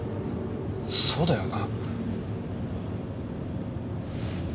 そうだよな。